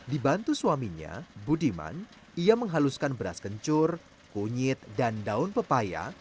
dibantu suaminya budiman ia menghaluskan beras kencur kunyit dan daun pepaya